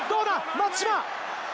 松島！